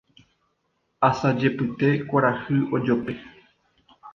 Asajepyte kuarahy ojope.